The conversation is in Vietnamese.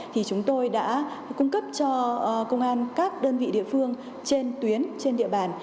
thì chúng tôi đã cung cấp cho công an các đơn vị địa phương trên tuyến trên địa bàn